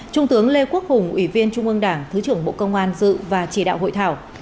trung tướng lê quốc hùng ủy viên trung ương đảng thứ trưởng bộ công an dự và chỉ đạo hội thảo